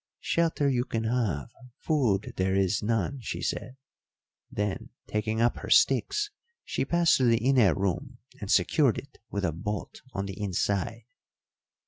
'Shelter you can have: food there is none,' she said; then, taking up her sticks, she passed to the inner room and secured it with a bolt on the inside.